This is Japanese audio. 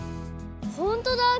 ホントだ！